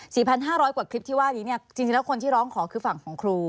พันห้าร้อยกว่าคลิปที่ว่านี้เนี่ยจริงจริงแล้วคนที่ร้องขอคือฝั่งของครู